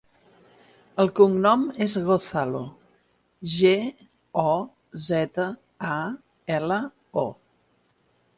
El cognom és Gozalo: ge, o, zeta, a, ela, o.